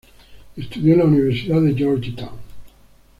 Estudió en la Universidad de Georgetown.